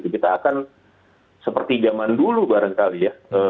kita akan seperti zaman dulu barangkali ya